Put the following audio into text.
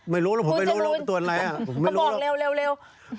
ไม่รู้หรอกผมไปตรวจอะไรอ่ะผมไม่รู้หรอก